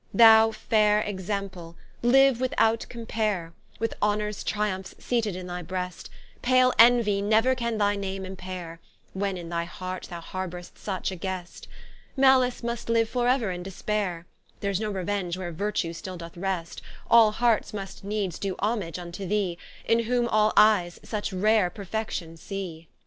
Thou faire example, live without compare, With Honours triumphs seated in thy breast; Pale Envy never can thy name empaire, When in thy heart thou harbour'st such a guest: Malice must live for ever in dispaire; There's no revenge where Virtue still doth rest: All hearts must needs do homage vnto thee, In whom all eies such rare perfection see. An Invec tive against outward beu ty vnaccom panied with virtue.